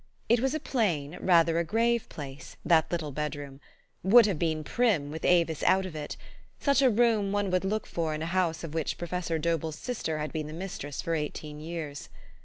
It was a plain, rather a grave place, that little bed room ; would have been prim with Avis out of it ; such a room one would look for in a house of which Professor DobelTs sister had been the mistress for eighteen years.